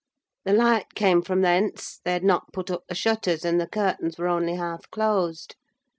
The light came from thence; they had not put up the shutters, and the curtains were only half closed.